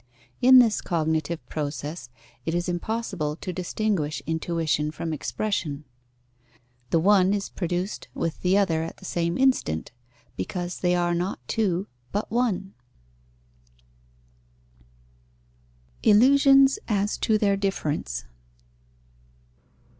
In this cognitive process it is impossible to distinguish intuition from expression. The one is produced with the other at the same instant, because they are not two, but one. _Illusions as to their difference.